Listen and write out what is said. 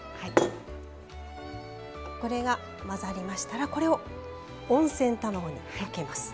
これが混ざりましたらこれを温泉卵にかけます。